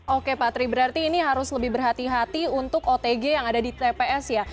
oke pak tri berarti ini harus lebih berhati hati untuk otg yang ada di tps ya